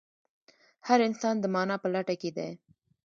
هر انسان د مانا په لټه کې دی.